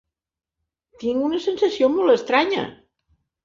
Tinc una sensació molt estranya.